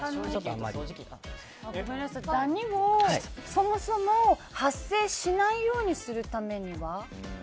そもそもダニが発生しないようにするためには？